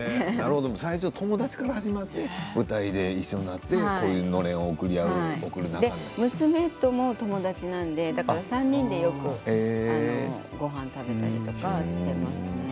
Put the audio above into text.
最初友達から始まって舞台で一緒になって娘に友達なので３人でよくごはんを食べたりしています。